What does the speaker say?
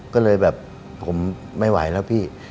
ก็เลยแบบผมไม่ไหวแล้วพี่